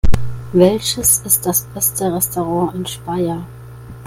Welches ist das beste Restaurant in Speyer?